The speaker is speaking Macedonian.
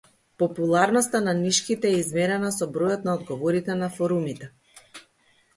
Популарноста на нишките е измерена со бројот на одговорите на форумите.